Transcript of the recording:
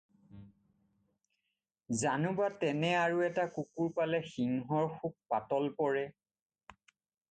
জানোবা তেনে আৰু এটা কুকুৰ পালে সিংহৰ শোক পাতল পৰে